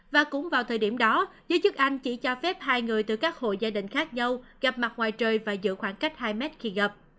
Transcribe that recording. và cũng vào thời điểm đó giới chức anh chỉ cho phép hai người từ các hộ gia đình khác nhau gặp mặt ngoài trời và giữ khoảng cách hai mét khi gặp